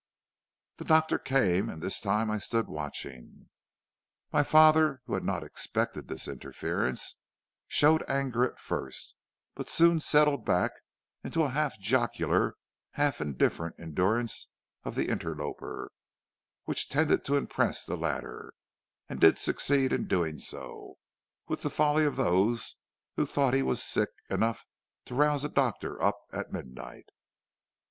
"The doctor came and this time I stood watching. My father, who had not expected this interference, showed anger at first, but soon settled back into a half jocular, half indifferent endurance of the interloper, which tended to impress the latter, and did succeed in doing so, with the folly of those who thought he was sick enough to rouse a doctor up at midnight.